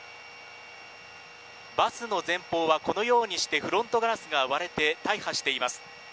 バスの前方はフロントガラスが割れて大破しています。